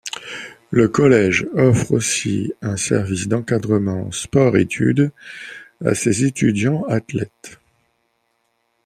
Le Collège offre aussi un service d’encadrement sport-études à ses étudiants-athlètes.